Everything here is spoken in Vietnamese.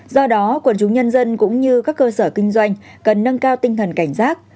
do đó quần chúng nhân dân cũng như các cơ sở kinh doanh cần nâng cao tinh thần cảnh giác